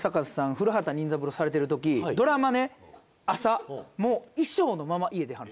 古畑任三郎されてるときドラマね朝衣装のまま家出はる。